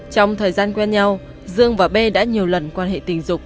trong thời gian quen nhau dương và b đã nhiều lần quan hệ tình dục